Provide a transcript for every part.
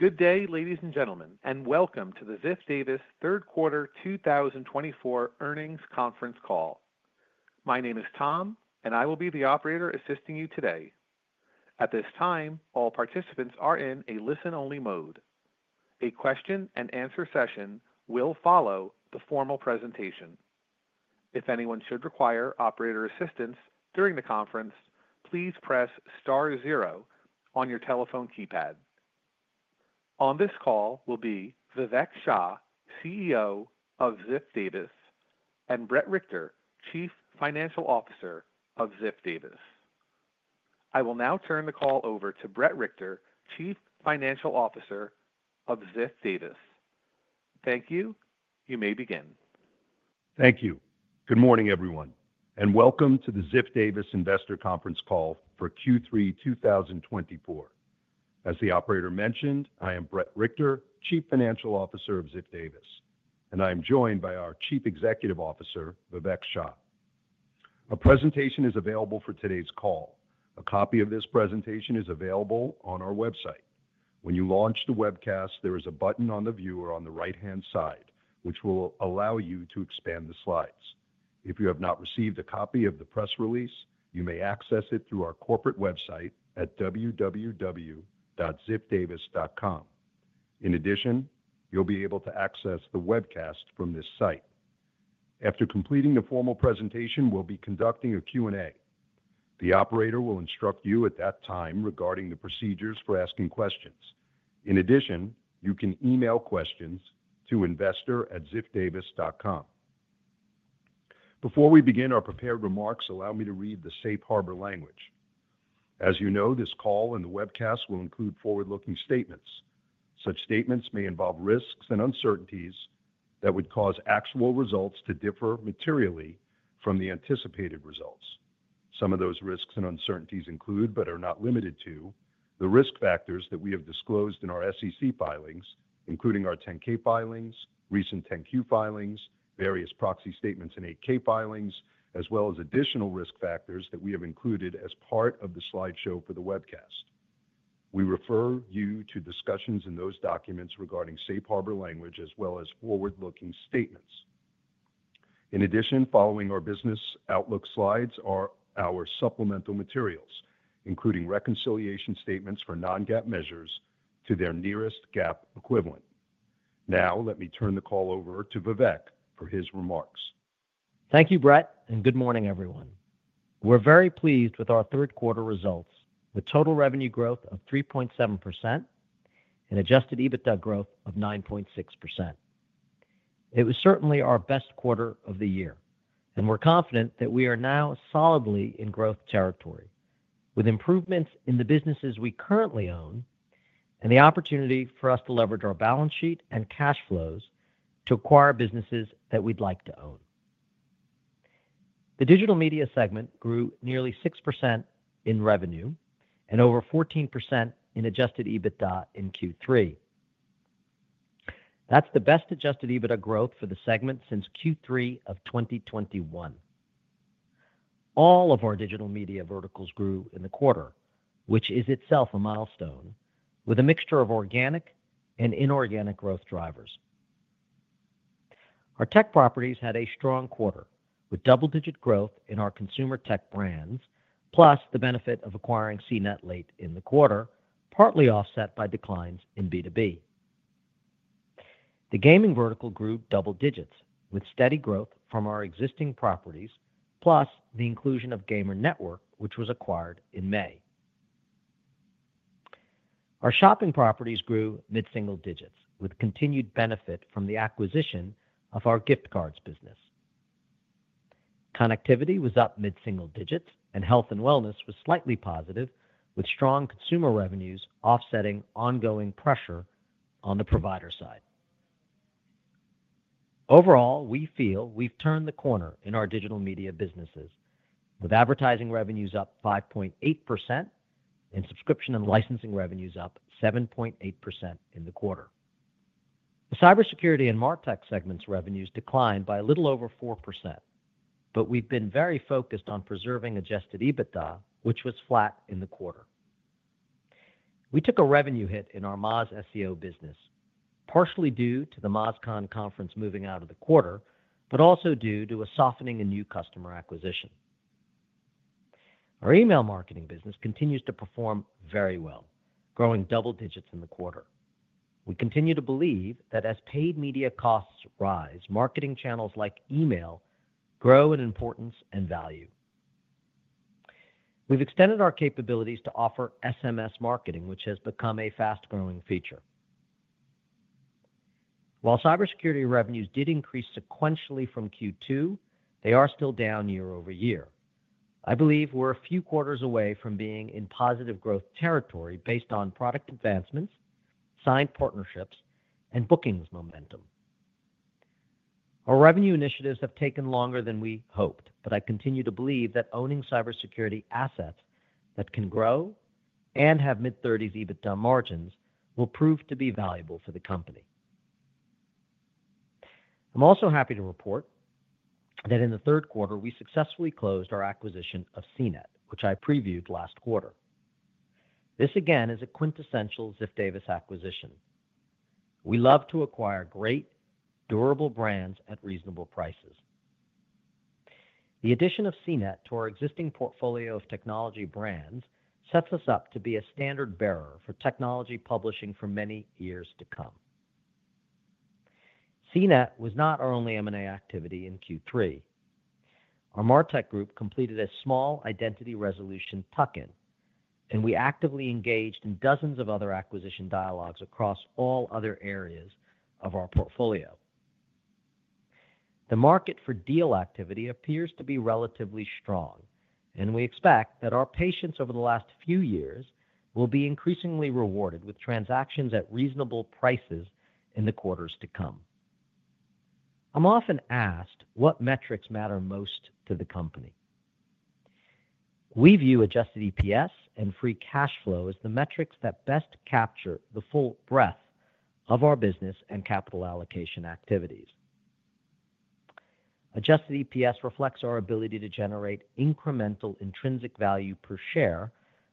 Good day, ladies and gentlemen, and welcome to the Ziff Davis Q3 2024 earnings conference call. My name is Tom, and I will be the operator assisting you today. At this time, all participants are in a listen-only mode. A question-and-answer session will follow the formal presentation. If anyone should require operator assistance during the conference, please press star zero on your telephone keypad. On this call will be Vivek Shah, CEO of Ziff Davis, and Bret Richter, Chief Financial Officer of Ziff Davis. I will now turn the call over to Bret Richter, Chief Financial Officer of Ziff Davis. Thank you. You may begin. Thank you. Good morning, everyone, and welcome to the Ziff Davis Investor Conference Call for Q3 2024. As the operator mentioned, I am Bret Richter, Chief Financial Officer of Ziff Davis, and I am joined by our Chief Executive Officer, Vivek Shah. A presentation is available for today's call. A copy of this presentation is available on our website. When you launch the webcast, there is a button on the viewer on the right-hand side, which will allow you to expand the slides. If you have not received a copy of the press release, you may access it through our corporate website at www.ziffdavis.com. In addition, you'll be able to access the webcast from this site. After completing the formal presentation, we'll be conducting a Q&A. The operator will instruct you at that time regarding the procedures for asking questions. In addition, you can email questions to investor@ziffdavis.com. Before we begin our prepared remarks, allow me to read the safe harbor language. As you know, this call and the webcast will include forward-looking statements. Such statements may involve risks and uncertainties that would cause actual results to differ materially from the anticipated results. Some of those risks and uncertainties include, but are not limited to, the risk factors that we have disclosed in our SEC filings, including our 10-K filings, recent 10-Q filings, various proxy statements in 8-K filings, as well as additional risk factors that we have included as part of the slideshow for the webcast. We refer you to discussions in those documents regarding safe harbor language as well as forward-looking statements. In addition, following our business outlook slides are our supplemental materials, including reconciliation statements for non-GAAP measures to their nearest GAAP equivalent. Now, let me turn the call over to Vivek for his remarks. Thank you, Bret, and good morning, everyone. We're very pleased with our Q3 results, with total revenue growth of 3.7% and Adjusted EBITDA growth of 9.6%. It was certainly our best quarter of the year, and we're confident that we are now solidly in growth territory, with improvements in the businesses we currently own and the opportunity for us to leverage our balance sheet and cash flows to acquire businesses that we'd like to own. The digital media segment grew nearly 6% in revenue and over 14% in Adjusted EBITDA in Q3. That's the best Adjusted EBITDA growth for the segment since Q3 of 2021. All of our digital media verticals grew in the quarter, which is itself a milestone, with a mixture of organic and inorganic growth drivers. Our tech properties had a strong quarter with double-digit growth in our consumer tech brands, plus the benefit of acquiring CNET late in the quarter, partly offset by declines in B2B. The gaming vertical grew double digits with steady growth from our existing properties, plus the inclusion of Gamer Network, which was acquired in May. Our shopping properties grew mid-single digits with continued benefit from the acquisition of our gift cards business. Connectivity was up mid-single digits, and health and wellness was slightly positive, with strong consumer revenues offsetting ongoing pressure on the provider side. Overall, we feel we've turned the corner in our digital media businesses, with advertising revenues up 5.8% and subscription and licensing revenues up 7.8% in the quarter. The cybersecurity and martech segments' revenues declined by a little over 4%, but we've been very focused on preserving Adjusted EBITDA, which was flat in the quarter. We took a revenue hit in our Moz SEO business, partially due to the MozCon conference moving out of the quarter, but also due to a softening in new customer acquisition. Our email marketing business continues to perform very well, growing double digits in the quarter. We continue to believe that as paid media costs rise, marketing channels like email grow in importance and value. We've extended our capabilities to offer SMS marketing, which has become a fast-growing feature. While cybersecurity revenues did increase sequentially from Q2, they are still down year-over-year. I believe we're a few quarters away from being in positive growth territory based on product advancements, signed partnerships, and bookings momentum. Our revenue initiatives have taken longer than we hoped, but I continue to believe that owning cybersecurity assets that can grow and have mid-30s EBITDA margins will prove to be valuable for the company. I'm also happy to report that in the Q3, we successfully closed our acquisition of CNET, which I previewed last quarter. This, again, is a quintessential Ziff Davis acquisition. We love to acquire great, durable brands at reasonable prices. The addition of CNET to our existing portfolio of technology brands sets us up to be a standard bearer for technology publishing for many years to come. CNET was not our only M&A activity in Q3. Our martech group completed a small identity resolution tuck-in, and we actively engaged in dozens of other acquisition dialogues across all other areas of our portfolio. The market for deal activity appears to be relatively strong, and we expect that our patience over the last few years will be increasingly rewarded with transactions at reasonable prices in the quarters to come. I'm often asked what metrics matter most to the company. We view Adjusted EPS and free cash flow as the metrics that best capture the full breadth of our business and capital allocation activities. Adjusted EPS reflects our ability to generate incremental intrinsic value per share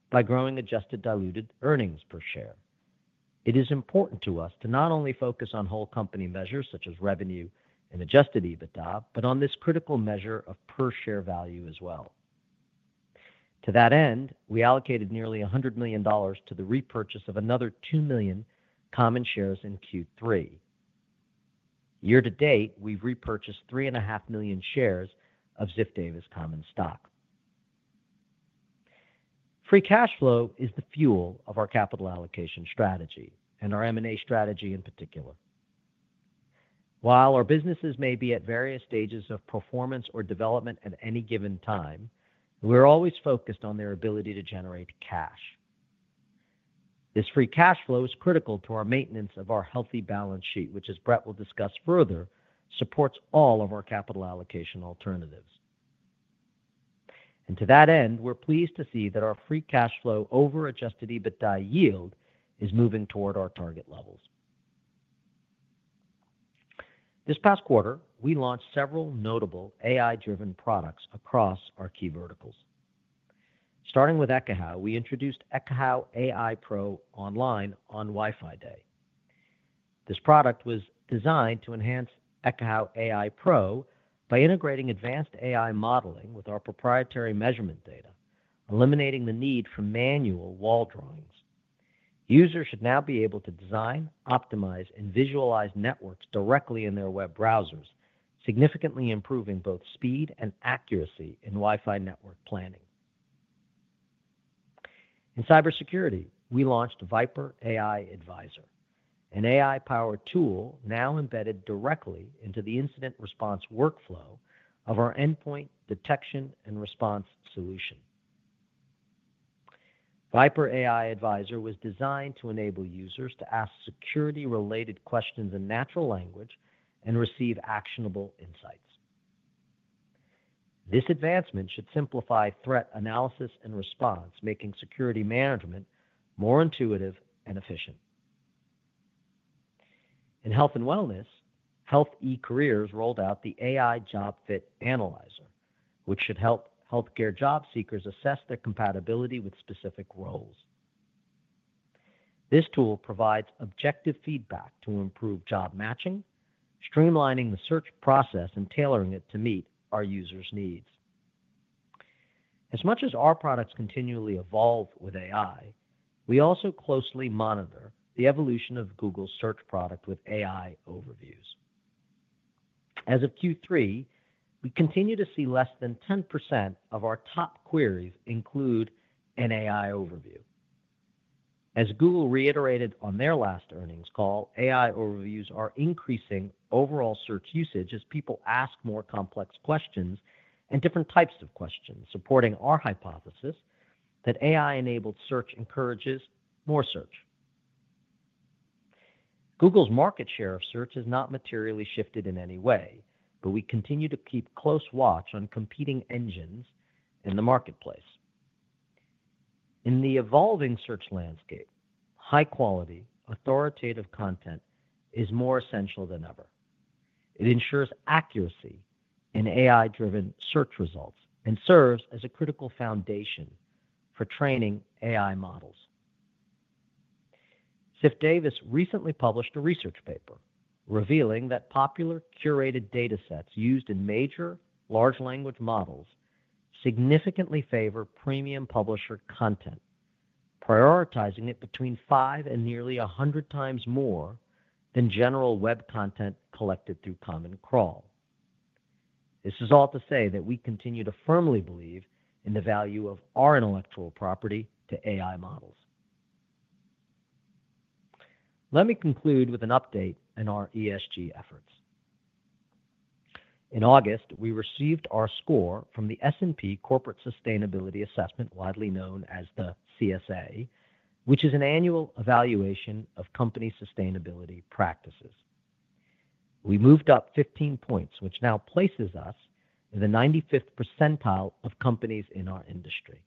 by growing adjusted diluted earnings per share. It is important to us to not only focus on whole company measures such as revenue and Adjusted EBITDA, but on this critical measure of per share value as well. To that end, we allocated nearly $100 million to the repurchase of another two million common shares in Q3. Year to date, we've repurchased 3.5 million shares of Ziff Davis Common Stock. Free cash flow is the fuel of our capital allocation strategy and our M&A strategy in particular. While our businesses may be at various stages of performance or development at any given time, we're always focused on their ability to generate cash. This free cash flow is critical to our maintenance of our healthy balance sheet, which, as Bret will discuss further, supports all of our capital allocation alternatives, and to that end, we're pleased to see that our free cash flow over Adjusted EBITDA yield is moving toward our target levels. This past quarter, we launched several notable AI-driven products across our key verticals. Starting with Ekahau, we introduced Ekahau AI Pro Online on Wi-Fi Day. This product was designed to enhance Ekahau AI Pro by integrating advanced AI modeling with our proprietary measurement data, eliminating the need for manual wall drawings. Users should now be able to design, optimize, and visualize networks directly in their web browsers, significantly improving both speed and accuracy in Wi-Fi network planning. In cybersecurity, we launched VIPRE AI Advisor, an AI-powered tool now embedded directly into the incident response workflow of our endpoint detection and response solution. VIPRE AI Advisor was designed to enable users to ask security-related questions in natural language and receive actionable insights. This advancement should simplify threat analysis and response, making security management more intuitive and efficient. In health and wellness, Health eCareers rolled out the AI Job Fit Analyzer, which should help healthcare job seekers assess their compatibility with specific roles. This tool provides objective feedback to improve job matching, streamlining the search process and tailoring it to meet our users' needs. As much as our products continually evolve with AI, we also closely monitor the evolution of Google's search product with AI overviews. As of Q3, we continue to see less than 10% of our top queries include an AI overview. As Google reiterated on their last earnings call, AI Overviews are increasing overall search usage as people ask more complex questions and different types of questions, supporting our hypothesis that AI-enabled search encourages more search. Google's market share of search has not materially shifted in any way, but we continue to keep close watch on competing engines in the marketplace. In the evolving search landscape, high-quality, authoritative content is more essential than ever. It ensures accuracy in AI-driven search results and serves as a critical foundation for training AI models. Ziff Davis recently published a research paper revealing that popular curated data sets used in major large language models significantly favor premium publisher content, prioritizing it between five and nearly 100 times more than general web content collected through Common Crawl. This is all to say that we continue to firmly believe in the value of our intellectual property to AI models. Let me conclude with an update in our ESG efforts. In August, we received our score from the S&P Corporate Sustainability Assessment, widely known as the CSA, which is an annual evaluation of company sustainability practices. We moved up 15 points, which now places us in the 95th percentile of companies in our industry.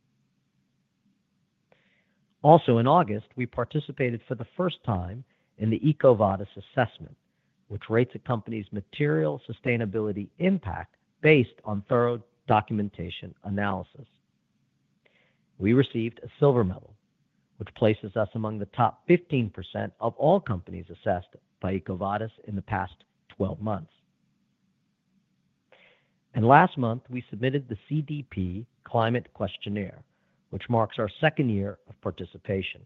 Also, in August, we participated for the first time in the EcoVadis assessment, which rates a company's material sustainability impact based on thorough documentation analysis. We received a silver medal, which places us among the top 15% of all companies assessed by EcoVadis in the past 12 months, and last month, we submitted the CDP Climate Questionnaire, which marks our second year of participation.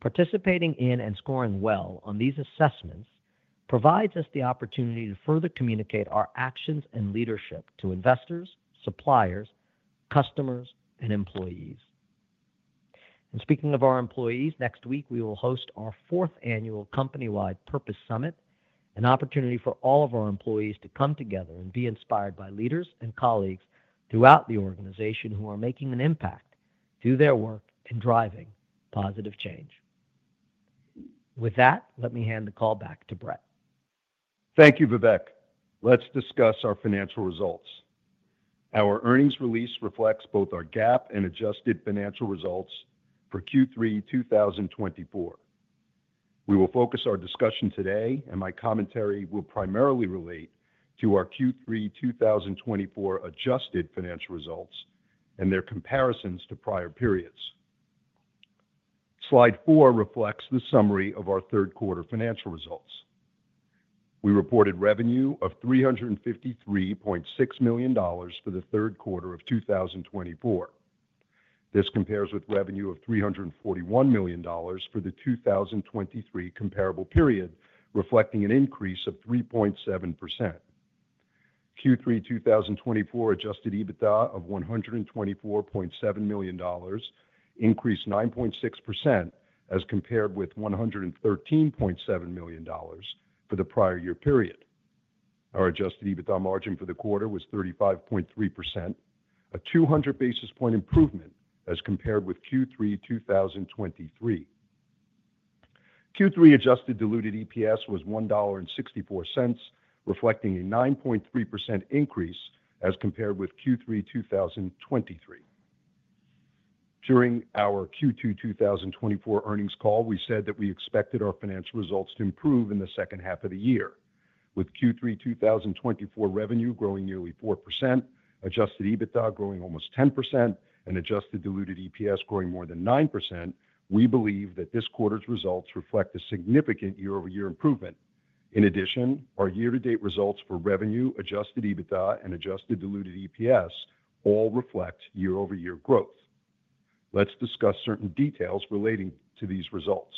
Participating in and scoring well on these assessments provides us the opportunity to further communicate our actions and leadership to investors, suppliers, customers, and employees, and speaking of our employees, next week, we will host our fourth annual company-wide Purpose Summit, an opportunity for all of our employees to come together and be inspired by leaders and colleagues throughout the organization who are making an impact through their work in driving positive change. With that, let me hand the call back to Bret. Thank you, Vivek. Let's discuss our financial results. Our earnings release reflects both our GAAP and adjusted financial results for Q3 2024. We will focus our discussion today, and my commentary will primarily relate to our Q3 2024 adjusted financial results and their comparisons to prior periods. Slide four reflects the summary of our Q3 financial results. We reported revenue of $353.6 million for the Q3 of 2024. This compares with revenue of $341 million for the 2023 comparable period, reflecting an increase of 3.7%. Q3 2024 adjusted EBITDA of $124.7 million increased 9.6% as compared with $113.7 million for the prior year period. Our adjusted EBITDA margin for the quarter was 35.3%, a 200 basis point improvement as compared with Q3 2023. Q3 adjusted diluted EPS was $1.64, reflecting a 9.3% increase as compared with Q3 2023. During our Q2 2024 earnings call, we said that we expected our financial results to improve in the second half of the year. With Q3 2024 revenue growing nearly 4%, Adjusted EBITDA growing almost 10%, and Adjusted Diluted EPS growing more than 9%, we believe that this quarter's results reflect a significant year-over-year improvement. In addition, our year-to-date results for revenue, Adjusted EBITDA, and Adjusted Diluted EPS all reflect year-over-year growth. Let's discuss certain details relating to these results.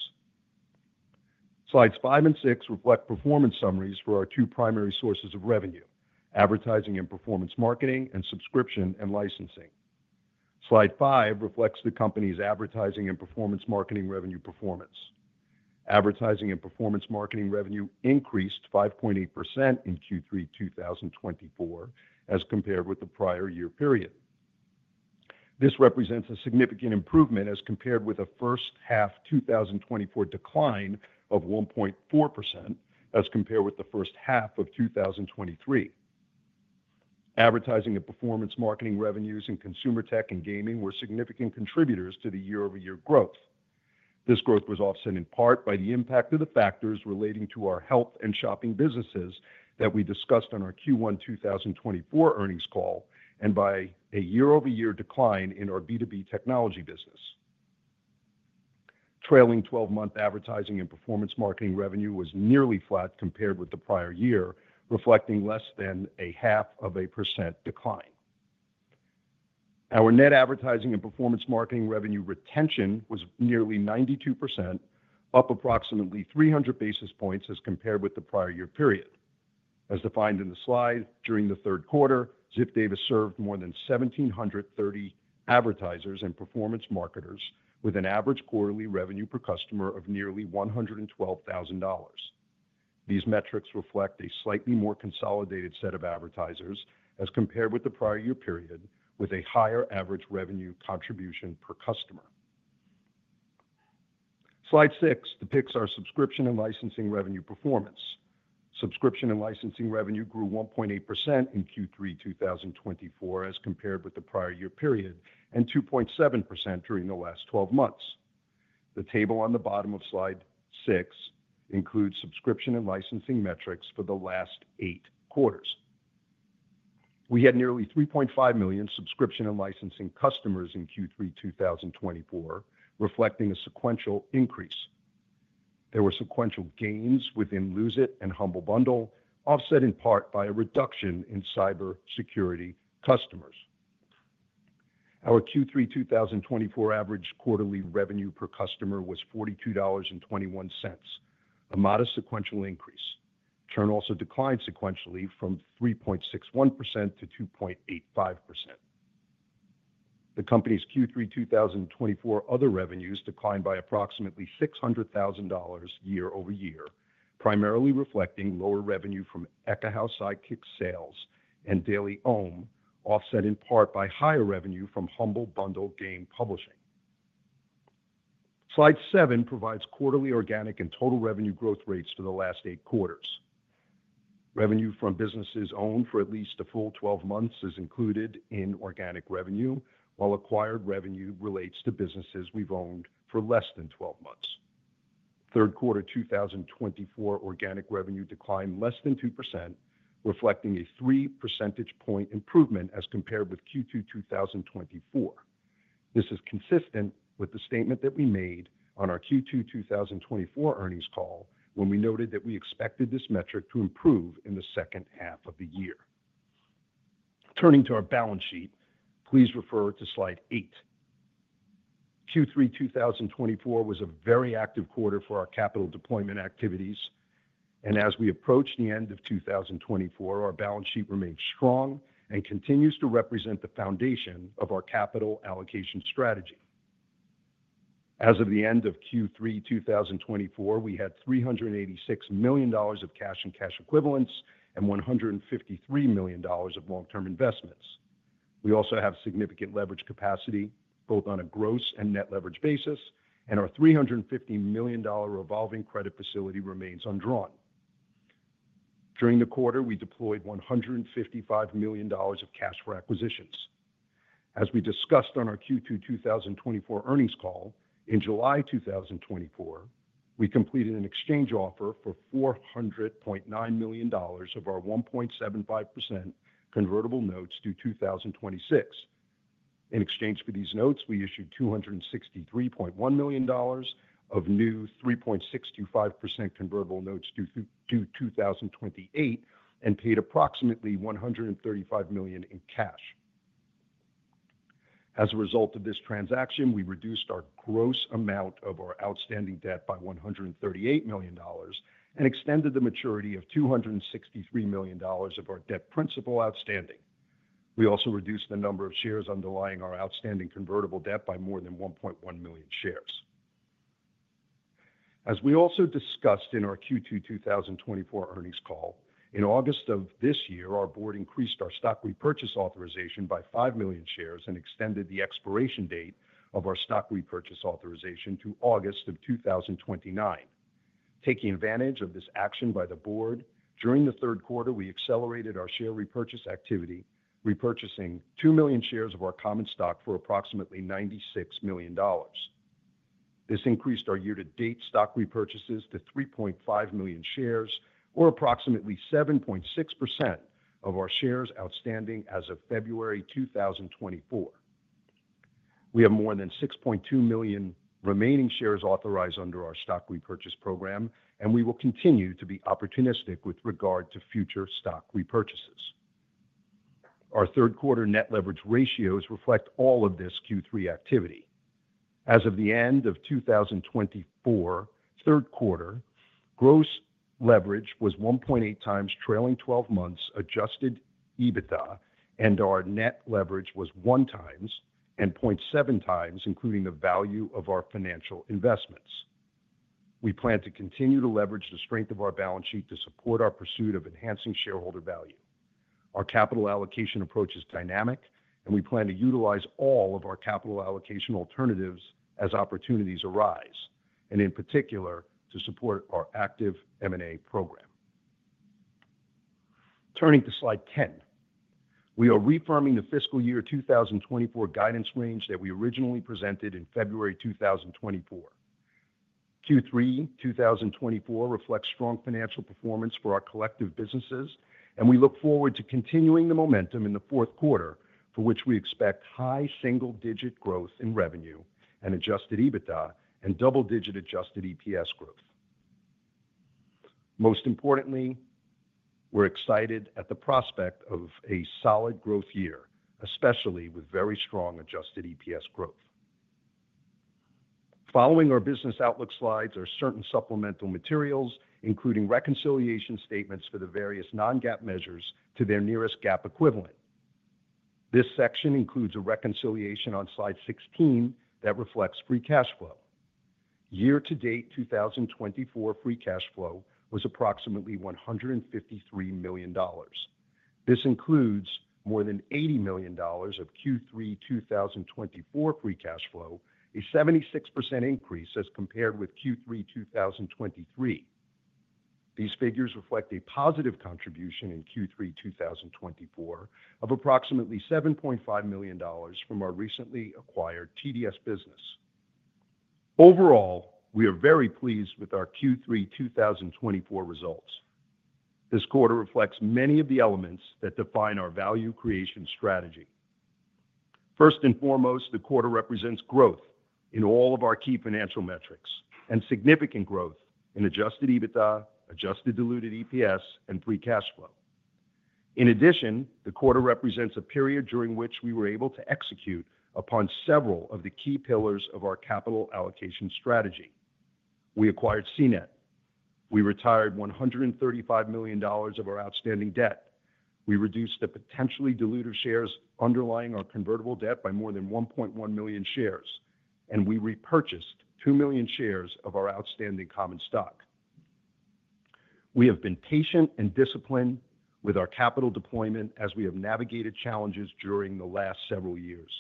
Slides five and six reflect performance summaries for our two primary sources of revenue: advertising and performance marketing, and subscription and licensing. Slide five reflects the company's advertising and performance marketing revenue performance. Advertising and performance marketing revenue increased 5.8% in Q3 2024 as compared with the prior year period. This represents a significant improvement as compared with the first half 2024 decline of 1.4% as compared with the first half of 2023. Advertising and performance marketing revenues in consumer tech and gaming were significant contributors to the year-over-year growth. This growth was offset in part by the impact of the factors relating to our health and shopping businesses that we discussed on our Q1 2024 earnings call and by a year-over-year decline in our B2B technology business. Trailing 12-month advertising and performance marketing revenue was nearly flat compared with the prior year, reflecting less than 0.5% decline. Our net advertising and performance marketing revenue retention was nearly 92%, up approximately 300 basis points as compared with the prior year period. As defined in the slide, during the Q3, Ziff Davis served more than 1,730 advertisers and performance marketers with an average quarterly revenue per customer of nearly $112,000. These metrics reflect a slightly more consolidated set of advertisers as compared with the prior year period, with a higher average revenue contribution per customer. Slide six depicts our subscription and licensing revenue performance. Subscription and licensing revenue grew 1.8% in Q3 2024 as compared with the prior year period and 2.7% during the last 12 months. The table on the bottom of slide six includes subscription and licensing metrics for the last Q8. We had nearly 3.5 million subscription and licensing customers in Q3 2024, reflecting a sequential increase. There were sequential gains within Lose It and Humble Bundle, offset in part by a reduction in cybersecurity customers. Our Q3 2024 average quarterly revenue per customer was $42.21, a modest sequential increase. Churn also declined sequentially from 3.61% to 2.85%. The company's Q3 2024 other revenues declined by approximately $600,000 year-over-year, primarily reflecting lower revenue from Ekahau Sidekick sales and DailyOM, offset in part by higher revenue from Humble Bundle game publishing. Slide seven provides quarterly organic and total revenue growth rates for the last Q8. Revenue from businesses owned for at least a full 12 months is included in organic revenue, while acquired revenue relates to businesses we've owned for less than 12 months. Q3 2024 organic revenue declined less than 2%, reflecting a 3 percentage point improvement as compared with Q2 2024. This is consistent with the statement that we made on our Q2 2024 earnings call when we noted that we expected this metric to improve in the second half of the year. Turning to our balance sheet, please refer to slide eight. Q3 2024 was a very active quarter for our capital deployment activities, and as we approached the end of 2024, our balance sheet remained strong and continues to represent the foundation of our capital allocation strategy. As of the end of Q3 2024, we had $386 million of cash and cash equivalents and $153 million of long-term investments. We also have significant leverage capacity, both on a gross and net leverage basis, and our $350 million revolving credit facility remains undrawn. During the quarter, we deployed $155 million of cash for acquisitions. As we discussed on our Q2 2024 earnings call, in July 2024, we completed an exchange offer for $400.9 million of our 1.75% convertible notes due 2026. In exchange for these notes, we issued $263.1 million of new 3.625% convertible notes due 2028 and paid approximately $135 million in cash. As a result of this transaction, we reduced our gross amount of our outstanding debt by $138 million and extended the maturity of $263 million of our debt principal outstanding. We also reduced the number of shares underlying our outstanding convertible debt by more than 1.1 million shares. As we also discussed in our Q2 2024 earnings call, in August of this year, our board increased our stock repurchase authorization by five million shares and extended the expiration date of our stock repurchase authorization to August of 2029. Taking advantage of this action by the board, during the Q3, we accelerated our share repurchase activity, repurchasing 2 million shares of our common stock for approximately $96 million. This increased our year-to-date stock repurchases to 3.5 million shares, or approximately 7.6% of our shares outstanding as of February 2024. We have more than 6.2 million remaining shares authorized under our stock repurchase program, and we will continue to be opportunistic with regard to future stock repurchases. Our Q3 net leverage ratios reflect all of this Q3 activity. As of the end of 2024 Q3, gross leverage was 1.8 times trailing 12 months Adjusted EBITDA, and our net leverage was 1 times and 0.7 times, including the value of our financial investments. We plan to continue to leverage the strength of our balance sheet to support our pursuit of enhancing shareholder value. Our capital allocation approach is dynamic, and we plan to utilize all of our capital allocation alternatives as opportunities arise, and in particular, to support our active M&A program. Turning to slide 10, we are reaffirming the fiscal year 2024 guidance range that we originally presented in February 2024. Q3 2024 reflects strong financial performance for our collective businesses, and we look forward to continuing the momentum in the Q4, for which we expect high single-digit growth in revenue and Adjusted EBITDA and double-digit Adjusted EPS growth. Most importantly, we're excited at the prospect of a solid growth year, especially with very strong Adjusted EPS growth. Following our business outlook slides are certain supplemental materials, including reconciliation statements for the various non-GAAP measures to their nearest GAAP equivalent. This section includes a reconciliation on slide 16 that reflects Free Cash Flow. Year-to-date 2024 Free Cash Flow was approximately $153 million. This includes more than $80 million of Q3 2024 Free Cash Flow, a 76% increase as compared with Q3 2023. These figures reflect a positive contribution in Q3 2024 of approximately $7.5 million from our recently acquired TDS business. Overall, we are very pleased with our Q3 2024 results. This quarter reflects many of the elements that define our value creation strategy. First and foremost, the quarter represents growth in all of our key financial metrics and significant growth in Adjusted EBITDA, Adjusted Diluted EPS, and Free Cash Flow. In addition, the quarter represents a period during which we were able to execute upon several of the key pillars of our capital allocation strategy. We acquired CNET. We retired $135 million of our outstanding debt. We reduced the potentially diluted shares underlying our convertible debt by more than 1.1 million shares, and we repurchased two million shares of our outstanding common stock. We have been patient and disciplined with our capital deployment as we have navigated challenges during the last several years.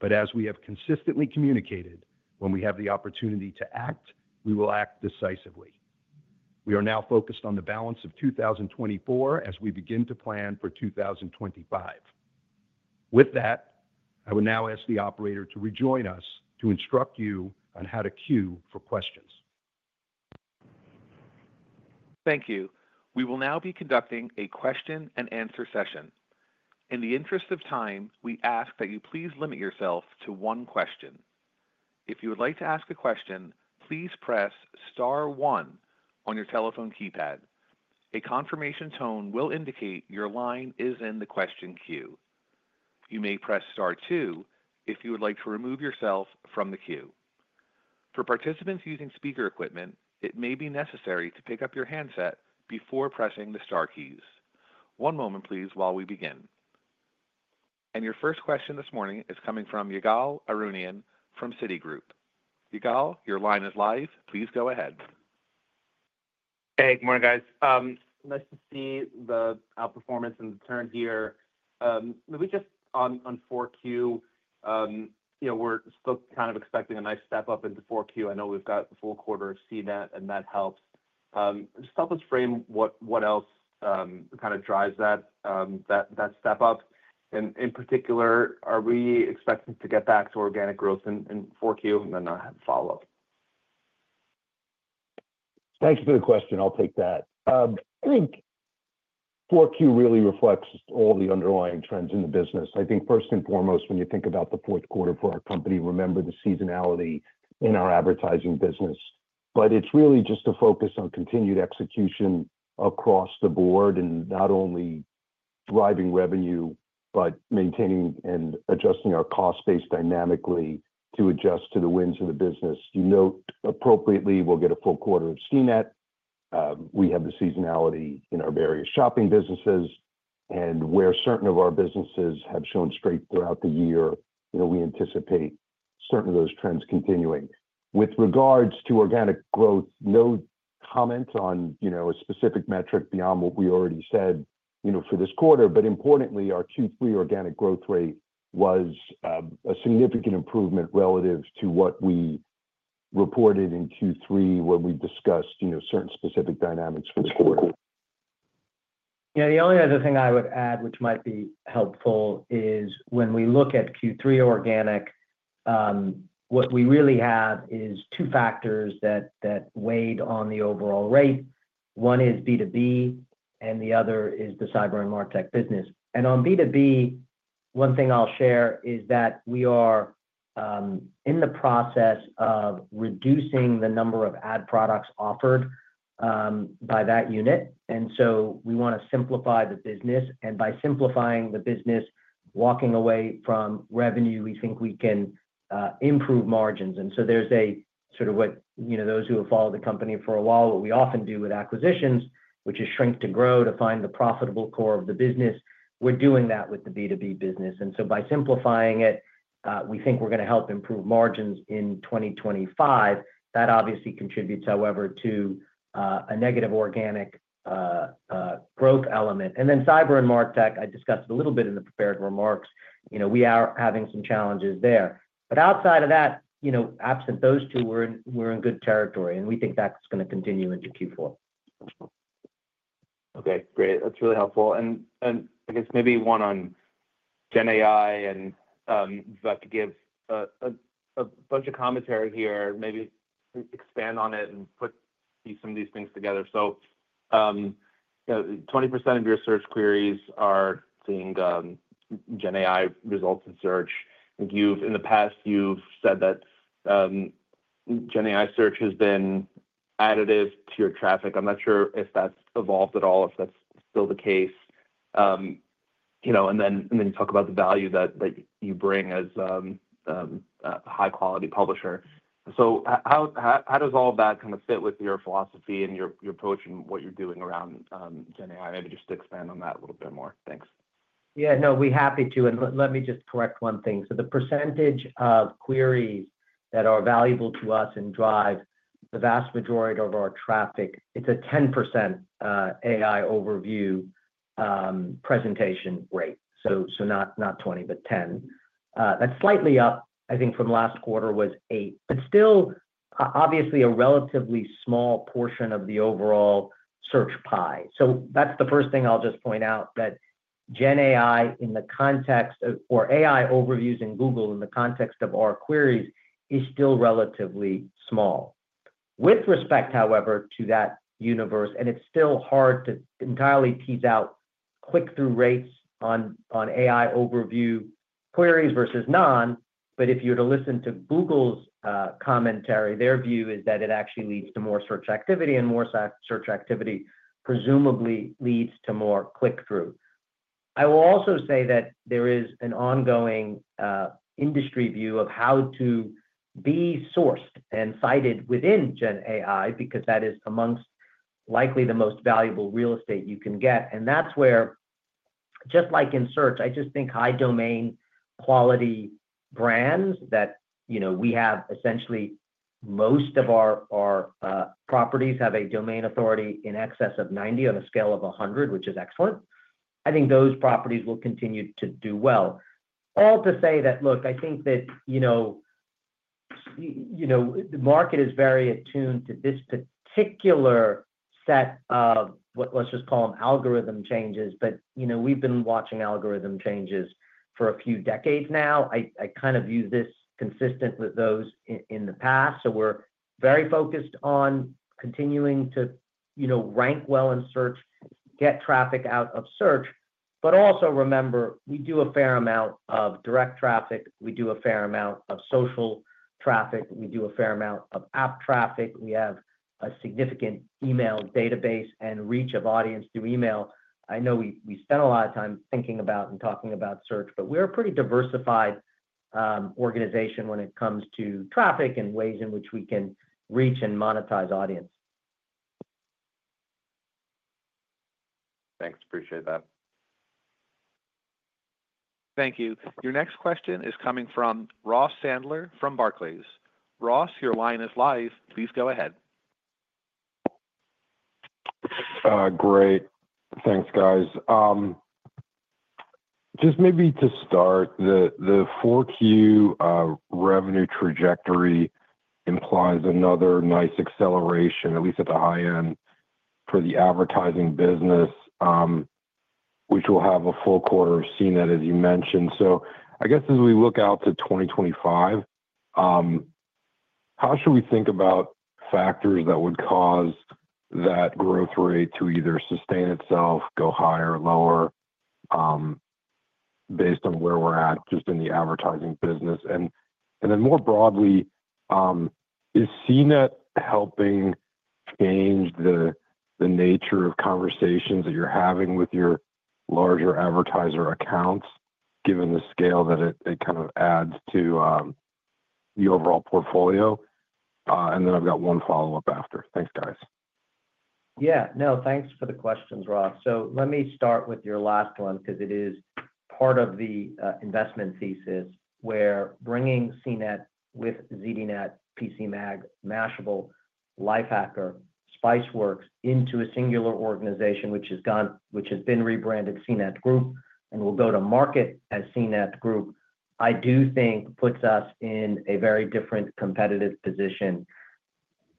But as we have consistently communicated, when we have the opportunity to act, we will act decisively. We are now focused on the balance of 2024 as we begin to plan for 2025. With that, I would now ask the operator to rejoin us to instruct you on how to queue for questions. Thank you. We will now be conducting a question-and-answer session. In the interest of time, we ask that you please limit yourself to one question. If you would like to ask a question, please press Star one on your telephone keypad. A confirmation tone will indicate your line is in the question queue. You may press star two if you would like to remove yourself from the queue. For participants using speaker equipment, it may be necessary to pick up your handset before pressing the star keys. One moment, please, while we begin. Your first question this morning is coming from Ygal Arounian from Citi. Ygal, your line is live. Please go ahead. Hey, good morning, guys. Nice to see the outperformance and the turn here. Maybe just on 4Q, we're still kind of expecting a nice step up into 4Q. I know we've got the full quarter of CNET, and that helps. Just help us frame what else kind of drives that step up. And in particular, are we expecting to get back to organic growth in 4Q? And then I'll have a follow-up. Thank you for the question. I'll take that. I think 4Q really reflects all the underlying trends in the business. I think first and foremost, when you think about the Q4 for our company, remember the seasonality in our advertising business. But it's really just a focus on continued execution across the board and not only driving revenue, but maintaining and adjusting our cost base dynamically to adjust to the winds of the business. You note appropriately, we'll get a full quarter of CNET. We have the seasonality in our various shopping businesses. And where certain of our businesses have shown strength throughout the year, we anticipate certain of those trends continuing. With regards to organic growth, no comment on a specific metric beyond what we already said for this quarter. But importantly, our Q3 organic growth rate was a significant improvement relative to what we reported in Q3 when we discussed certain specific dynamics for this quarter. Yeah, the only other thing I would add, which might be helpful, is when we look at Q3 organic, what we really have is two factors that weighed on the overall rate. One is B2B, and the other is the cyber and martech business, and on B2B, one thing I'll share is that we are in the process of reducing the number of ad products offered by that unit, and so we want to simplify the business, and by simplifying the business, walking away from revenue, we think we can improve margins. And so, there's a sort of what those who have followed the company for a while, what we often do with acquisitions, which is shrink to grow to find the profitable core of the business. We're doing that with the B2B business. And so by simplifying it, we think we're going to help improve margins in 2025. That obviously contributes, however, to a negative organic growth element. And then cyber and martech, I discussed a little bit in the prepared remarks, we are having some challenges there. But outside of that, absent those two, we're in good territory. And we think that's going to continue into Q4. Okay, great. That's really helpful. And I guess maybe one on GenAI and Vivek to give a bunch of commentary here, maybe expand on it and put some of these things together. So 20% of your search queries are seeing GenAI results in search. I think in the past, you've said that GenAI search has been additive to your traffic. I'm not sure if that's evolved at all, if that's still the case. And then you talk about the value that you bring as a high-quality publisher. So how does all of that kind of fit with your philosophy and your approach and what you're doing around GenAI? Maybe just expand on that a little bit more. Thanks. Yeah, no, we're happy to. And let me just correct one thing. So the percentage of queries that are valuable to us and drive the vast majority of our traffic, it's a 10% AI overview presentation rate. So not 20, but 10. That's slightly up. I think from last quarter was eight. But still, obviously, a relatively small portion of the overall search pie. So that's the first thing I'll just point out, that GenAI in the context or AI Overviews in Google in the context of our queries is still relatively small. With respect, however, to that universe, and it's still hard to entirely tease out click-through rates on AI Overviews queries versus none, but if you were to listen to Google's commentary, their view is that it actually leads to more search activity, and more search activity presumably leads to more click-through. I will also say that there is an ongoing industry view of how to be sourced and cited within GenAI because that is amongst likely the most valuable real estate you can get. And that's where, just like in search, I just think high-domain quality brands that we have essentially most of our properties have a Domain Authority in excess of 90 on a scale of 100, which is excellent. I think those properties will continue to do well. All to say that, look, I think that the market is very attuned to this particular set of, let's just call them algorithm changes. But we've been watching algorithm changes for a few decades now. I kind of view this consistent with those in the past. So we're very focused on continuing to rank well in search, get traffic out of search. But also remember, we do a fair amount of direct traffic. We do a fair amount of social traffic. We do a fair amount of app traffic. We have a significant email database and reach of audience through email. I know we spent a lot of time thinking about and talking about search, but we're a pretty diversified organization when it comes to traffic and ways in which we can reach and monetize audience. Thanks. Appreciate that. Thank you. Your next question is coming from Ross Sandler from Barclays. Ross, your line is live. Please go ahead. Great. Thanks, guys. Just maybe to start, the 4Q revenue trajectory implies another nice acceleration, at least at the high end, for the advertising business, which will have a full quarter of CNET, as you mentioned. So I guess as we look out to 2025, how should we think about factors that would cause that growth rate to either sustain itself, go higher, lower, based on where we're at just in the advertising business? And then more broadly, is CNET helping change the nature of conversations that you're having with your larger advertiser accounts, given the scale that it kind of adds to the overall portfolio? And then I've got one follow-up after. Thanks, guys. Yeah. No, thanks for the questions, Ross. So let me start with your last one because it is part of the investment thesis where bringing CNET with ZDNet, PCMag, Mashable, Lifehacker, Spiceworks into a singular organization, which has been rebranded CNET Group and will go to market as CNET Group. I do think puts us in a very different competitive position.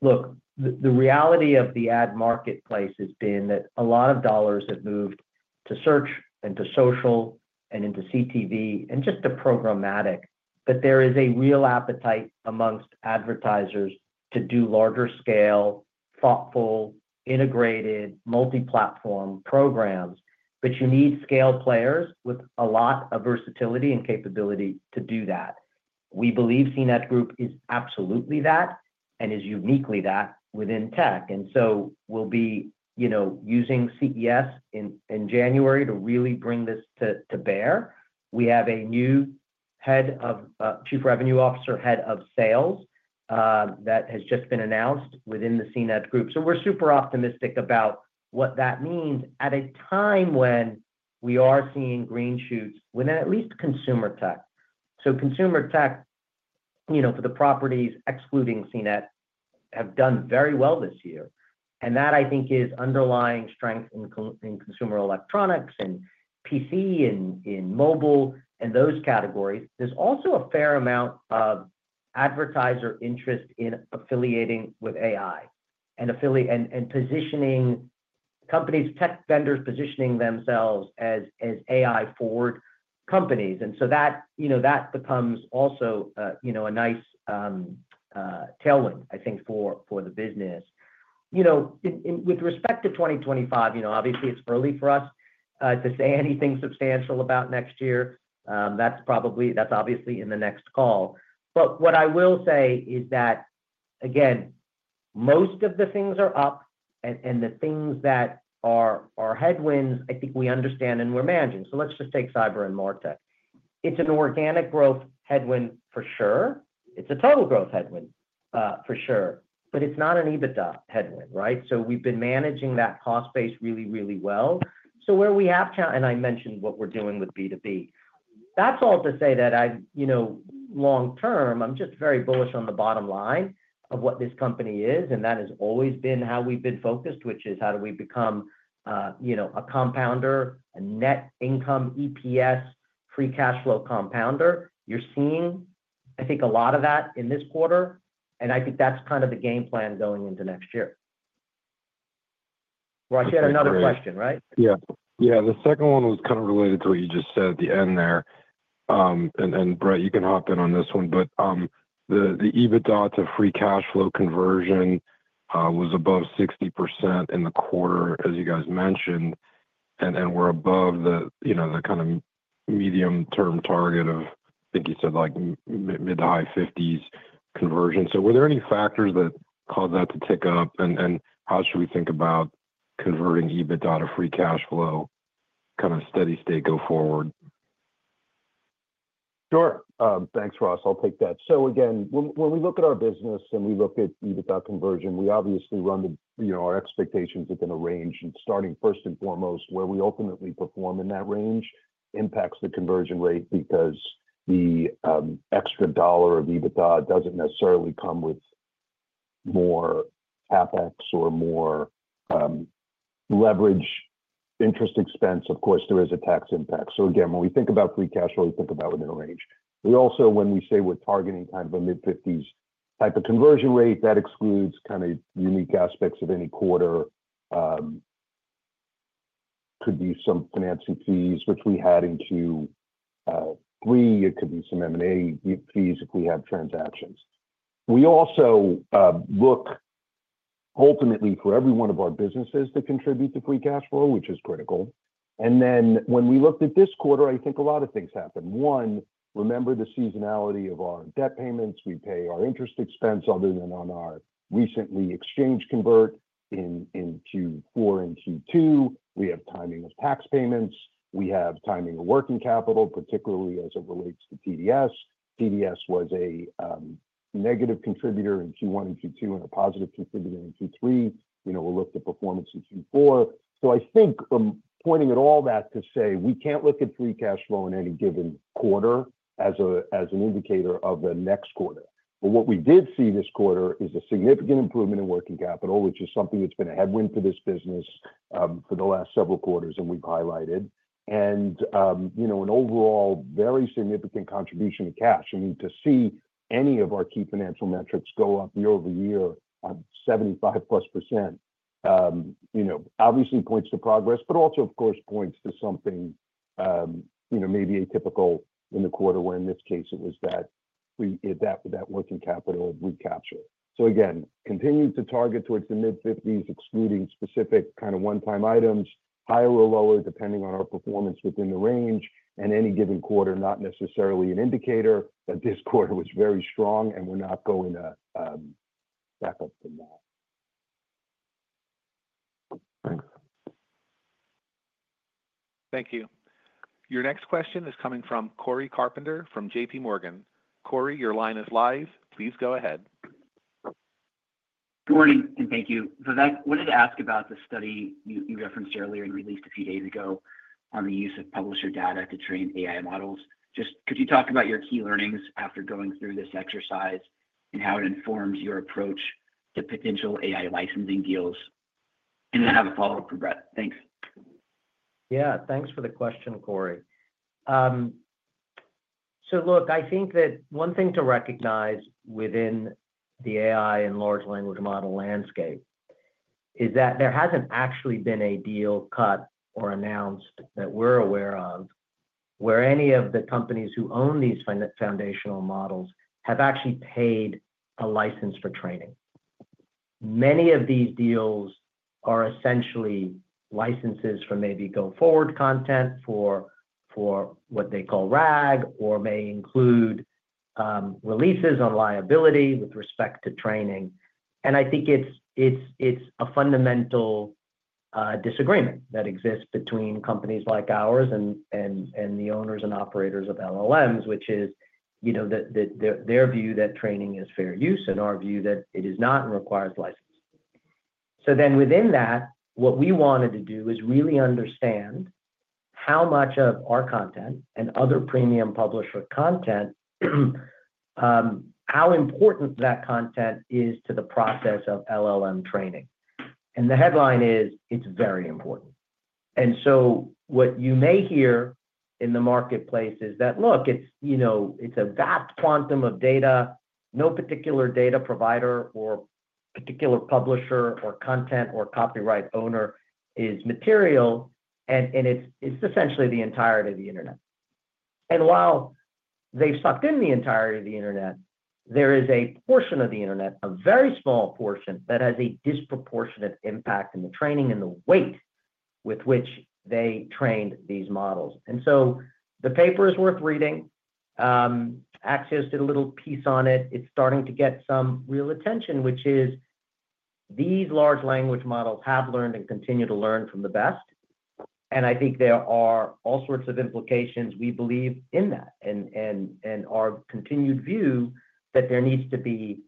Look, the reality of the ad marketplace has been that a lot of dollars have moved to search and to social and into CTV and just to programmatic. But there is a real appetite amongst advertisers to do larger scale, thoughtful, integrated, multi-platform programs. But you need scale players with a lot of versatility and capability to do that. We believe CNET Group is absolutely that and is uniquely that within tech. And so we'll be using CES in January to really bring this to bear. We have a new chief revenue officer, head of sales, that has just been announced within the CNET Group. So we're super optimistic about what that means at a time when we are seeing green shoots within at least consumer tech. So consumer tech for the properties, excluding CNET, have done very well this year. And that, I think, is underlying strength in consumer electronics and PC and mobile and those categories. There's also a fair amount of advertiser interest in affiliating with AI and positioning companies, tech vendors positioning themselves as AI forward companies. And so that becomes also a nice tailwind, I think, for the business. With respect to 2025, obviously, it's early for us to say anything substantial about next year. That's obviously in the next call. But what I will say is that, again, most of the things are up, and the things that are headwinds, I think we understand and we're managing. So let's just take cyber and martech. It's an organic growth headwind for sure. It's a total growth headwind for sure. But it's not an EBITDA headwind, right? So we've been managing that cost base really, really well. So where we have challenges, and I mentioned what we're doing with B2B. That's all to say that long term, I'm just very bullish on the bottom line of what this company is. And that has always been how we've been focused, which is how do we become a compounder, a net income EPS, free cash flow compounder. You're seeing, I think, a lot of that in this quarter. And I think that's kind of the game plan going into next year. Ross, you had another question, right? Yeah. Yeah. The second one was kind of related to what you just said at the end there. And Bret, you can hop in on this one. But the EBITDA to free cash flow conversion was above 60% in the quarter, as you guys mentioned. And we're above the kind of medium-term target of, I think you said, mid to high 50s conversion. So were there any factors that caused that to tick up? And how should we think about converting EBITDA to free cash flow kind of steady state go forward? Sure. Thanks, Ross. I'll take that. Again, when we look at our business and we look at EBITDA conversion, we obviously run our expectations within a range. Starting first and foremost, where we ultimately perform in that range impacts the conversion rate because the extra dollar of EBITDA doesn't necessarily come with more CapEx or more leverage interest expense. Of course, there is a tax impact. So again, when we think about free cash flow, we think about within a range. We also, when we say we're targeting kind of a mid-50s type of conversion rate, that excludes kind of unique aspects of any quarter. It could be some financing fees, which we had in Q3. It could be some M&A fees if we have transactions. We also look ultimately for every one of our businesses to contribute to free cash flow, which is critical. Then when we looked at this quarter, I think a lot of things happened. One, remember the seasonality of our debt payments. We pay our interest expense other than on our recently exchanged convertibles in Q4 and Q2. We have timing of tax payments. We have timing of working capital, particularly as it relates to TDS. TDS was a negative contributor in Q1 and Q2 and a positive contributor in Q3. We'll look at performance in Q4, so I think pointing to all that to say we can't look at free cash flow in any given quarter as an indicator of the next quarter. But what we did see this quarter is a significant improvement in working capital, which is something that's been a headwind for this business for the last several quarters and we've highlighted, and an overall very significant contribution to cash. I mean, to see any of our key financial metrics go up year-over-year on 75+% obviously points to progress, but also, of course, points to something maybe atypical in the quarter where, in this case, it was that working capital recapture. So again, continue to target towards the mid-50s, excluding specific kind of one-time items, higher or lower depending on our performance within the range. And any given quarter, not necessarily an indicator that this quarter was very strong and we're not going to back up from that. Thanks. Thank you. Your next question is coming from Cory Carpenter from JPMorgan. Cory, your line is live. Please go ahead. Good morning and thank you. So I wanted to ask about the study you referenced earlier and released a few days ago on the use of publisher data to train AI models. Just could you talk about your key learnings after going through this exercise and how it informs your approach to potential AI licensing deals? And then I have a follow-up for Bret. Thanks. Yeah. Thanks for the question, Cory. So look, I think that one thing to recognize within the AI and large language model landscape is that there hasn't actually been a deal cut or announced that we're aware of where any of the companies who own these foundational models have actually paid a license for training. Many of these deals are essentially licenses for maybe go-forward content for what they call RAG or may include releases on liability with respect to training. And I think it's a fundamental disagreement that exists between companies like ours and the owners and operators of LLMs, which is their view that training is fair use and our view that it is not and requires license. So then within that, what we wanted to do is really understand how much of our content and other premium publisher content, how important that content is to the process of LLM training. And the headline is, "It's very important." And so what you may hear in the marketplace is that, "Look, it's a vast quantum of data. No particular data provider or particular publisher or content or copyright owner is material." And it's essentially the entirety of the internet. And while they've sucked in the entirety of the internet, there is a portion of the internet, a very small portion, that has a disproportionate impact in the training and the weight with which they trained these models. And so the paper is worth reading. Axios did a little piece on it. It's starting to get some real attention, which is these large language models have learned and continue to learn from the best. And I think there are all sorts of implications. We believe in that and our continued view that there needs to be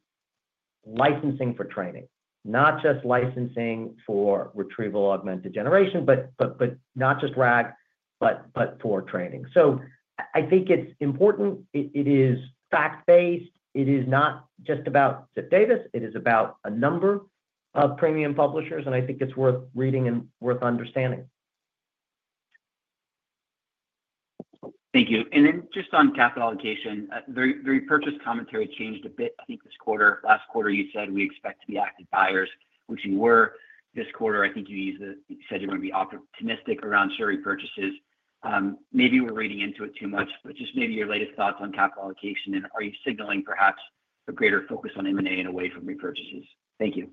licensing for training, not just licensing for retrieval augmented generation, but not just RAG, but for training. So I think it's important. It is fact-based. It is not just about Ziff Davis. It is about a number of premium publishers. And I think it's worth reading and worth understanding. Thank you. And then just on capital allocation, the repurchase commentary changed a bit, I think, this quarter. Last quarter, you said we expect to be active buyers, which you were. This quarter, I think you said you're going to be optimistic around share purchases. Maybe we're reading into it too much, but just maybe your latest thoughts on capital allocation and are you signaling perhaps a greater focus on M&A and away from repurchases? Thank you.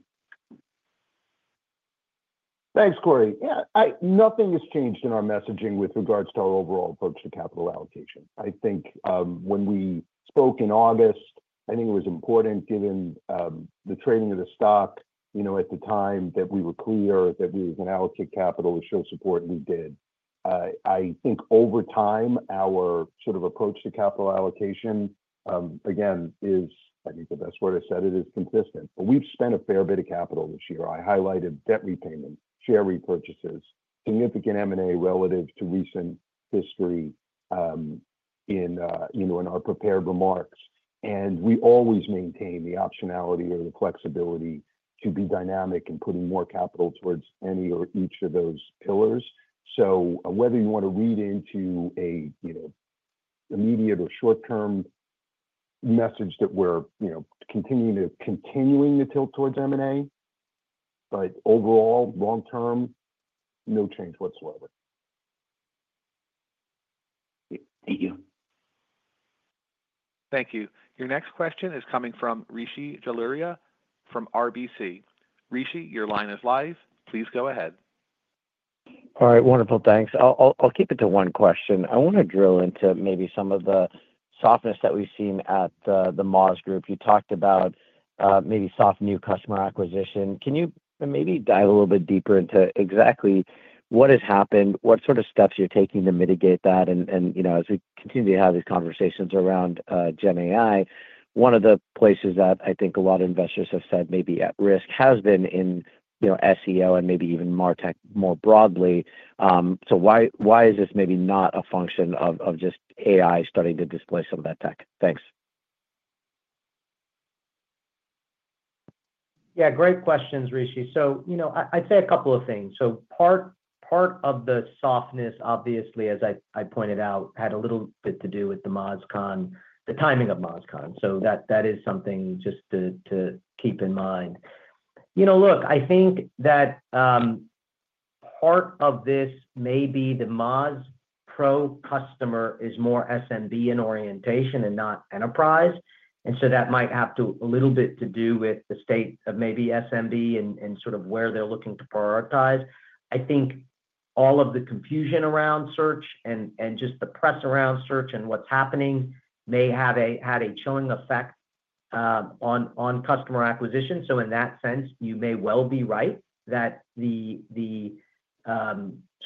Thanks, Cory. Yeah. Nothing has changed in our messaging with regards to our overall approach to capital allocation. I think when we spoke in August, I think it was important given the trading of the stock at the time that we were clear that we were going to allocate capital to show support, and we did. I think over time, our sort of approach to capital allocation, again, is, I think the best word I said, it is consistent. But we've spent a fair bit of capital this year. I highlighted debt repayment, share repurchases, significant M&A relative to recent history in our prepared remarks. And we always maintain the optionality or the flexibility to be dynamic and putting more capital towards any or each of those pillars. So whether you want to read into an immediate or short-term message that we're continuing to tilt towards M&A, but overall, long-term, no change whatsoever. Thank you. Thank you. Your next question is coming from Rishi Jaluria from RBC. Rishi, your line is live. Please go ahead. All right. Wonderful. Thanks. I'll keep it to one question. I want to drill into maybe some of the softness that we've seen at the Moz Group. You talked about maybe soft new customer acquisition. Can you maybe dive a little bit deeper into exactly what has happened, what sort of steps you're taking to mitigate that? And as we continue to have these conversations around GenAI, one of the places that I think a lot of investors have said maybe at risk has been in SEO and maybe even martech more broadly. So why is this maybe not a function of just AI starting to display some of that tech? Thanks. Yeah. Great questions, Rishi. So I'd say a couple of things. So part of the softness, obviously, as I pointed out, had a little bit to do with the timing of MozCon. So that is something just to keep in mind. Look, I think that part of this may be the Moz Pro customer is more SMB in orientation and not enterprise. And so that might have a little bit to do with the state of maybe SMB and sort of where they're looking to prioritize. I think all of the confusion around search and just the press around search and what's happening may have had a chilling effect on customer acquisition. So in that sense, you may well be right that sort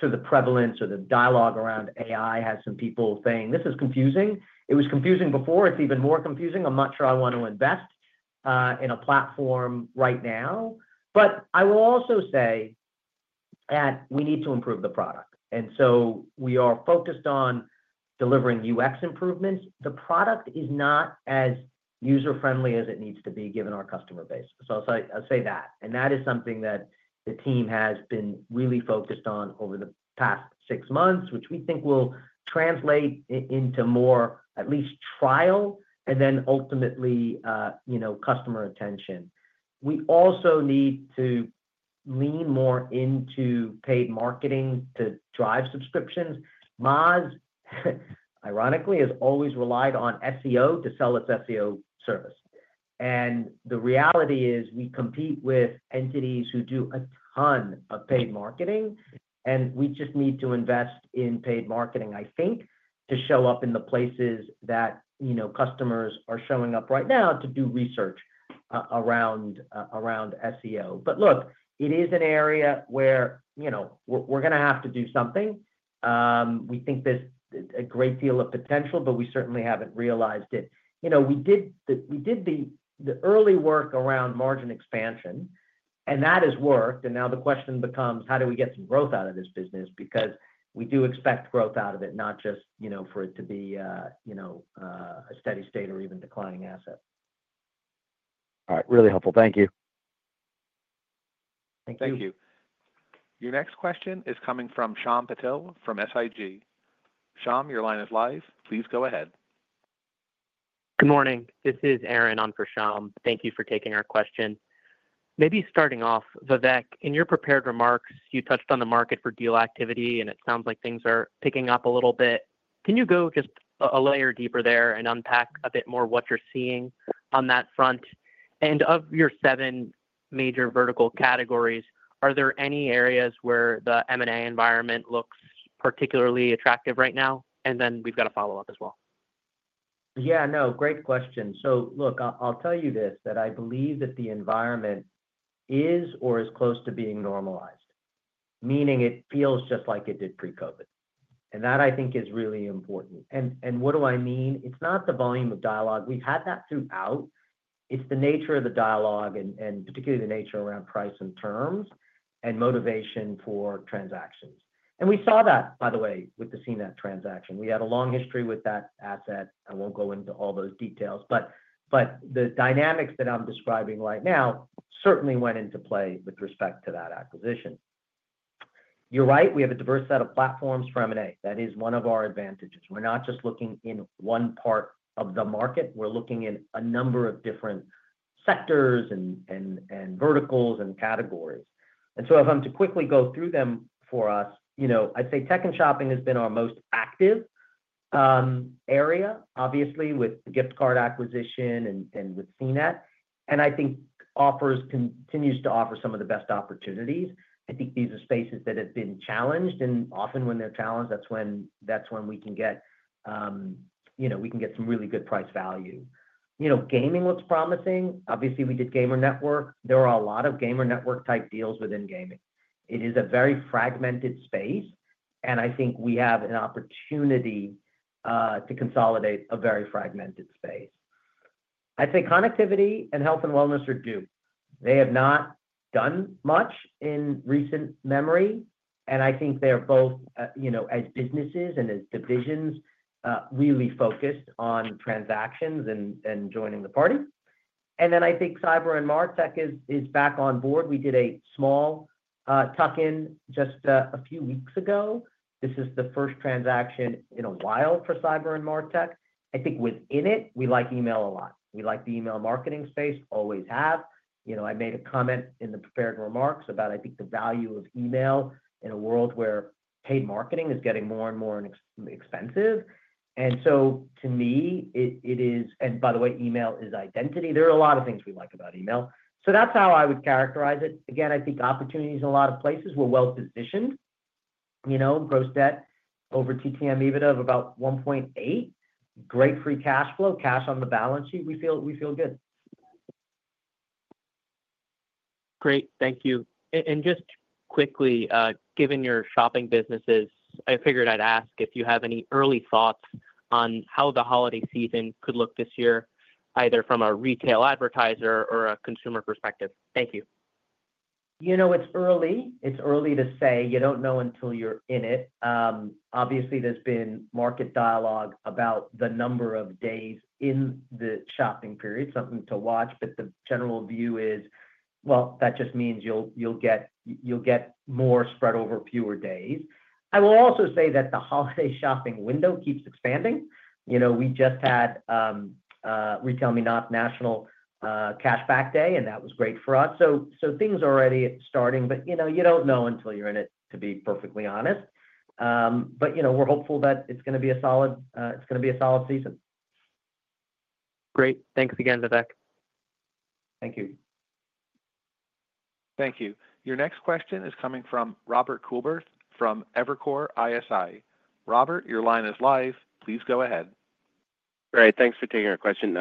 of the prevalence or the dialogue around AI has some people saying, "This is confusing. It was confusing before. It's even more confusing. I'm not sure I want to invest in a platform right now." But I will also say that we need to improve the product. And so we are focused on delivering UX improvements. The product is not as user-friendly as it needs to be given our customer base. So I'll say that. And that is something that the team has been really focused on over the past six months, which we think will translate into more at least trial and then ultimately customer attention. We also need to lean more into paid marketing to drive subscriptions. Moz, ironically, has always relied on SEO to sell its SEO service. And the reality is we compete with entities who do a ton of paid marketing. And we just need to invest in paid marketing, I think, to show up in the places that customers are showing up right now to do research around SEO. But look, it is an area where we're going to have to do something. We think there's a great deal of potential, but we certainly haven't realized it. We did the early work around margin expansion, and that has worked. Now the question becomes, how do we get some growth out of this business? Because we do expect growth out of it, not just for it to be a steady state or even declining asset. All right. Really helpful. Thank you. Thank you. Thank you. Your next question is coming from Shyam Patil from SIG. Shyam, your line is live. Please go ahead. Good morning. This is Aaron on for Shyam. Thank you for taking our question. Maybe starting off, Vivek, in your prepared remarks, you touched on the market for deal activity, and it sounds like things are picking up a little bit. Can you go just a layer deeper there and unpack a bit more what you're seeing on that front? And of your seven major vertical categories, are there any areas where the M&A environment looks particularly attractive right now? And then we've got a follow-up as well. Yeah. No, great question. So look, I'll tell you this, that I believe that the environment is or is close to being normalized, meaning it feels just like it did pre-COVID. And that, I think, is really important. And what do I mean? It's not the volume of dialogue. We've had that throughout. It's the nature of the dialogue, and particularly the nature around price and terms and motivation for transactions. And we saw that, by the way, with the CNET transaction. We had a long history with that asset. I won't go into all those details. But the dynamics that I'm describing right now certainly went into play with respect to that acquisition. You're right. We have a diverse set of platforms for M&A. That is one of our advantages. We're not just looking in one part of the market. We're looking in a number of different sectors and verticals and categories. And so if I'm to quickly go through them for us, I'd say tech and shopping has been our most active area, obviously, with gift card acquisition and with CNET. And I think offers continues to offer some of the best opportunities. I think these are spaces that have been challenged. And often when they're challenged, that's when we can get some really good price value. Gaming looks promising. Obviously, we did Gamer Network. There are a lot of Gamer Network-type deals within gaming. It is a very fragmented space. And I think we have an opportunity to consolidate a very fragmented space. I'd say connectivity and health and wellness are due. They have not done much in recent memory. I think they're both, as businesses and as divisions, really focused on transactions and joining the party. Then I think Cyber and MarTech is back on board. We did a small tuck-in just a few weeks ago. This is the first transaction in a while for Cyber and MarTech. I think within it, we like email a lot. We like the email marketing space, always have. I made a comment in the prepared remarks about, I think, the value of email in a world where paid marketing is getting more and more expensive. So to me, it is, and by the way, email is identity. There are a lot of things we like about email. So that's how I would characterize it. Again, I think opportunities in a lot of places were well-positioned. Gross debt over TTM EBITDA of about 1.8. Great free cash flow. Cash on the balance sheet. We feel good. Great. Thank you. And just quickly, given your shopping businesses, I figured I'd ask if you have any early thoughts on how the holiday season could look this year, either from a retail advertiser or a consumer perspective. Thank you. It's early. It's early to say. You don't know until you're in it. Obviously, there's been market dialogue about the number of days in the shopping period, something to watch. But the general view is, well, that just means you'll get more spread over fewer days. I will also say that the holiday shopping window keeps expanding. We just had RetailMeNot National Cashback Day, and that was great for us. So things are already starting. But you don't know until you're in it, to be perfectly honest. But we're hopeful that it's going to be a solid season. Great. Thanks again, Vivek. Thank you. Thank you. Your next question is coming from Robert Coolbrith from Evercore ISI. Robert, your line is live. Please go ahead. All right. Thanks for taking our question.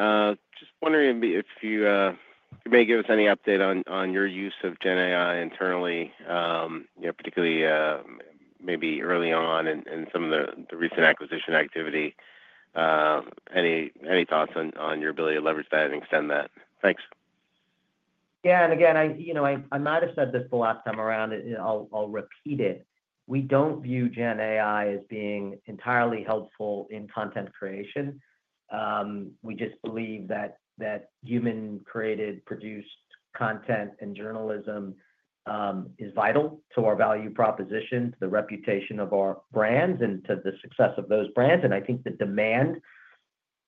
Just wondering if you may give us any update on your use of GenAI internally, particularly maybe early on and some of the recent acquisition activity. Any thoughts on your ability to leverage that and extend that? Thanks. Yeah. And again, I might have said this the last time around. I'll repeat it. We don't view GenAI as being entirely helpful in content creation. We just believe that human-created, produced content and journalism is vital to our value proposition, to the reputation of our brands, and to the success of those brands. I think the demand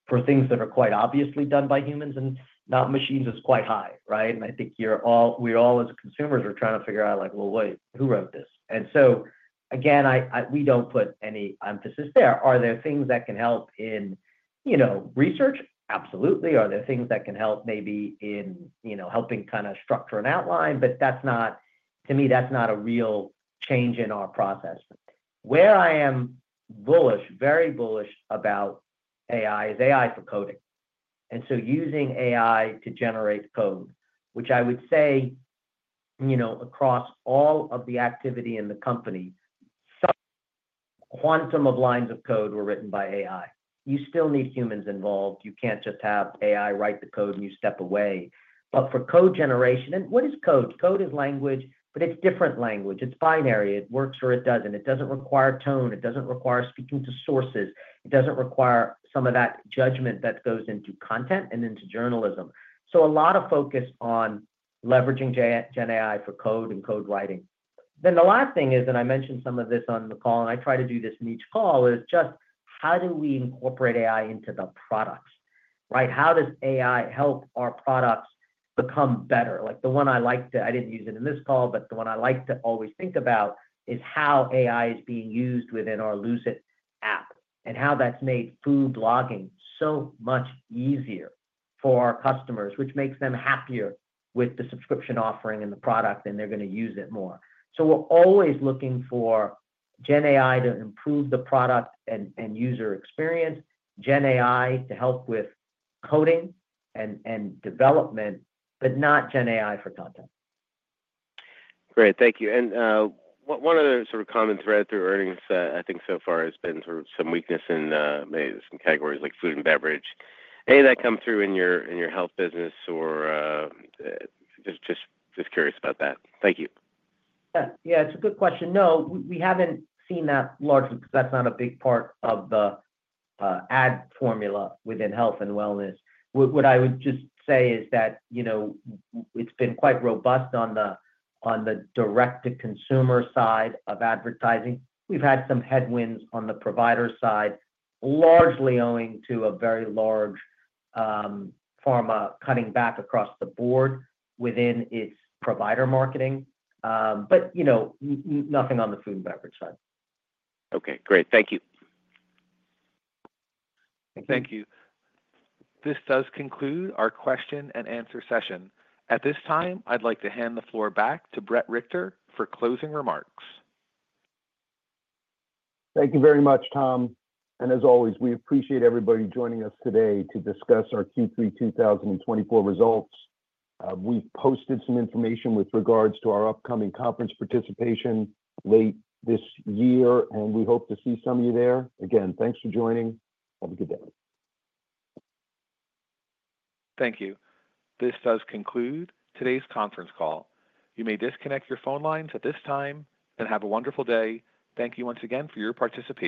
for things that are quite obviously done by humans and not machines is quite high, right? I think we all, as consumers, are trying to figure out, like, "Well, wait, who wrote this?" So again, we don't put any emphasis there. Are there things that can help in research? Absolutely. Are there things that can help maybe in helping kind of structure an outline? To me, that's not a real change in our process. Where I am bullish, very bullish about AI is AI for coding. So using AI to generate code, which I would say across all of the activity in the company, quantum of lines of code were written by AI. You still need humans involved. You can't just have AI write the code and you step away. For code generation, and what is code? Code is language, but it's different language. It's binary. It works or it doesn't. It doesn't require tone. It doesn't require speaking to sources. It doesn't require some of that judgment that goes into content and into journalism. So a lot of focus on leveraging GenAI for code and code writing. Then the last thing is, and I mentioned some of this on the call, and I try to do this in each call, is just how do we incorporate AI into the products, right? How does AI help our products become better? I didn't use it in this call, but the one I like to always think about is how AI is being used within our Lose It! app and how that's made food logging so much easier for our customers, which makes them happier with the subscription offering and the product, and they're going to use it more. So we're always looking for GenAI to improve the product and user experience, GenAI to help with coding and development, but not GenAI for content. Great. Thank you. And one other sort of common thread through earnings, I think so far, has been sort of some weakness in maybe some categories like food and beverage. Any of that come through in your health business? Or just curious about that. Thank you. Yeah. Yeah. It's a good question. No, we haven't seen that largely because that's not a big part of the ad formula within health and wellness. What I would just say is that it's been quite robust on the direct-to-consumer side of advertising. We've had some headwinds on the provider side, largely owing to a very large pharma cutting back across the board within its provider marketing, but nothing on the food and beverage side. Okay. Great. Thank you. Thank you. This does conclude our question-and-answer session. At this time, I'd like to hand the floor back to Bret Richter for closing remarks. Thank you very much, Tom. And as always, we appreciate everybody joining us today to discuss our Q3 2024 results. We've posted some information with regards to our upcoming conference participation late this year, and we hope to see some of you there. Again, thanks for joining. Have a good day. Thank you. This does conclude today's conference call. You may disconnect your phone lines at this time and have a wonderful day. Thank you once again for your participation.